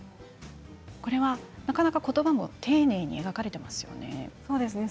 なかなか、ことばも丁寧に描かれていますよね。